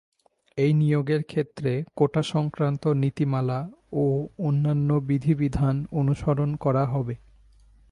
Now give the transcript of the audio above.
এই নিয়োগের ক্ষেত্রে কোটাসংক্রান্ত নীতিমালা ও অন্যান্য বিধিবিধান অনুসরণ করা হবে।